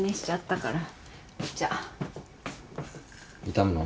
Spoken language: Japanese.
痛むの？